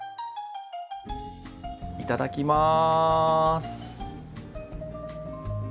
いただきます。